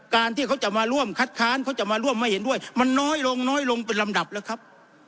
การที่เขาจะมาร่วมคัดค้านเขาจะมาร่วมไม่เห็นด้วยมันน้อยลงน้อยลงเป็นลำดับแล้วครับ